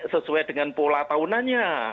sesuai dengan pola tahunannya